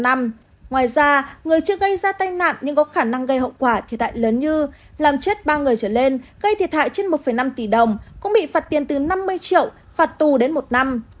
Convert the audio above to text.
ngoài ra người chưa gây ra tai nạn nhưng có khả năng gây hậu quả thiệt hại lớn như làm chết ba người trở lên gây thiệt hại trên một năm tỷ đồng cũng bị phạt tiền từ năm mươi triệu phạt tù đến một năm